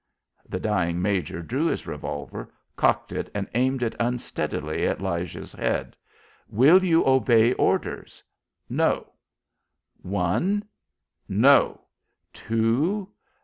The dying major drew his revolver, cocked it and aimed it unsteadily at Lige's head. "Will you obey orders?" "No." "One?" "No." "Two?"